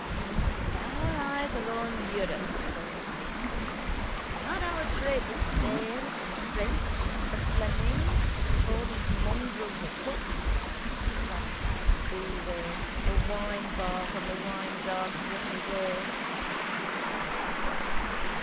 —And our eyes are on Europe, says the citizen. We had our trade with Spain and the French and with the Flemings before those mongrels were pupped, Spanish ale in Galway, the winebark on the winedark waterway.